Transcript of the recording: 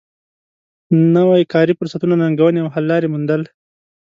نوی کاري فرصتونه ننګونې او حل لارې موندل